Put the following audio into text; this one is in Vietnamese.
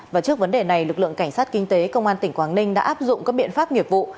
và trước vấn đề này lực lượng cảnh sát kinh tế công an tỉnh quảng ninh đã áp dụng các biện pháp nghiệp vụ